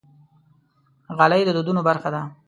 غالۍ د دودونو برخه ده.